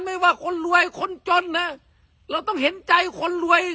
ไม่ว่าคนรวยคนจนนะเราต้องเห็นใจคนรวย